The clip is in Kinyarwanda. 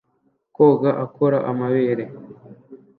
Koga akora amabere